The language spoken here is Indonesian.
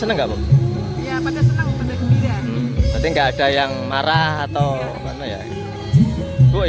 enggak ada yang marah atau